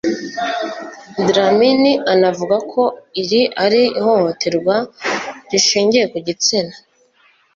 Dlamini anavuga ko iri ari ihohoterwa rishingiye ku gitsina